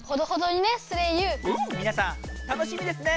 みなさん楽しみですねえ。